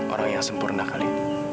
orang yang sempurna kali